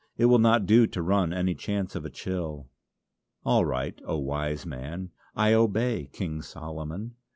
It will not do to run any chance of a chill." "All right, oh wise man! I obey, King Solomon!